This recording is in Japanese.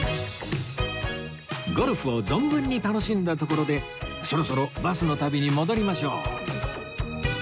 ゴルフを存分に楽しんだところでそろそろバスの旅に戻りましょう